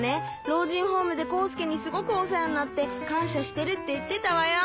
老人ホームで功介にすごくお世話になって感謝してるって言ってたわよ